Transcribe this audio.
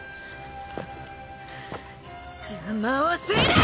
邪魔をするな！